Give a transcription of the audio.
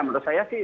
menurut saya sih